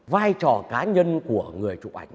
vai trò cá nhân của người chủ ảnh